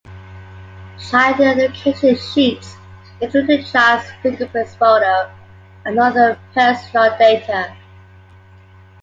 Child identification sheets include the child's fingerprints, photo and other personal data.